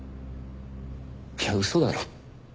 いや嘘だろ。